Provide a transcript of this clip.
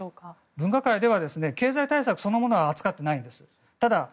分科会では経済対策そのものは扱っていないんです。